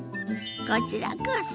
こちらこそ！